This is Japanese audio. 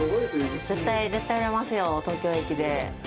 絶対、絶対売れますよ、東京駅で。